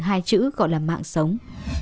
hai chữ gọi là mạng sống